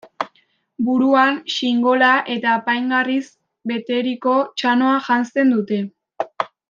Buruan xingola eta apaingarriz beteriko txanoa janzten dute.